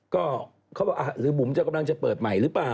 ก็เขาบอกหรือบุ๋มจะกำลังจะเปิดใหม่หรือเปล่า